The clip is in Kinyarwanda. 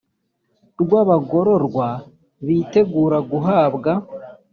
rw abagororwa bitegura guhabwa